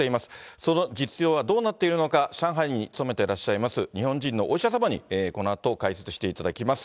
その実情はどうなっているのか、上海に勤めていらっしゃいます日本人のお医者様に、このあと解説していただきます。